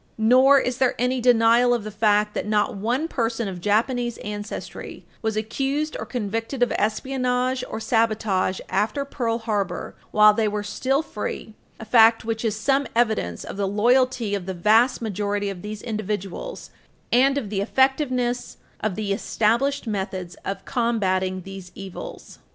Nor is there any denial of the fact that not one person of Japanese ancestry was accused or convicted of espionage or sabotage after Pearl Harbor while they were still free, [Footnote 3/15] a fact which is some evidence of the loyalty of the vast majority of these individuals and of the effectiveness of the established methods of combatting these evils.